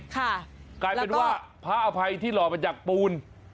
กลายเป็นว่าพระอภัยที่หล่อมาจากปูน